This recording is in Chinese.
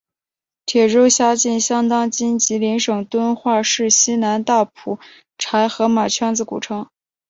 铁州辖境相当今吉林省敦化市西南大蒲柴河马圈子古城。